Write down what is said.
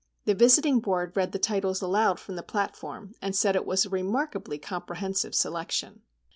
The Visiting Board read the titles aloud from the platform, and said it was 'a remarkably comprehensive selection.